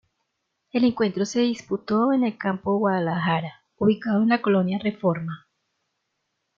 El encuentro se disputó en el Campo Guadalajara, ubicado en la colonia Reforma.